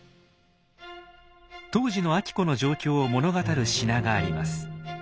当時の晶子の状況を物語る品があります。